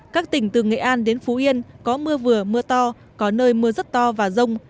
các tỉnh từ nghệ an đến phú yên có mưa vừa mưa to có nơi mưa rất to và rông